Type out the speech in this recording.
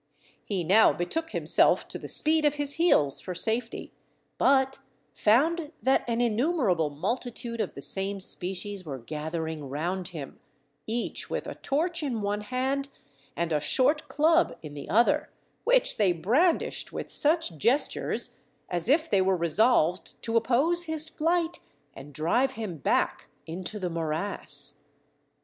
He now betook himself to the speed of his heels for safety, but found that an innumerable multitude of the same species were gathering round him, each with a torch in one hand and a short club in the other, which they brandished with such gestures, as if they were resolved to oppose his flight, and drive him back into the morass.